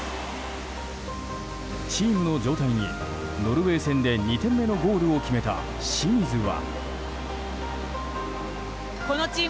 チームの状態にノルウェー戦で２点目のゴールを決めた清水は。